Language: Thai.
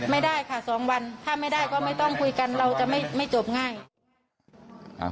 ไม่ได้ค่ะสองวันถ้าไม่ได้ก็ไม่ต้องคุยกันเราจะไม่จบง่าย